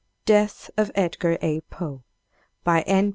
DEATH OF EDGAR A. POE By N.